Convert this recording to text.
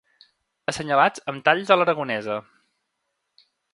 Assenyalats amb talls a l'aragonesa.